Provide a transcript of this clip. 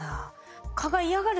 蚊が嫌がる